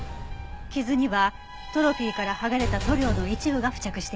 傷にはトロフィーから剥がれた塗料の一部が付着していました。